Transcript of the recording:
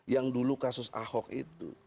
yang dulu kasus ahok itu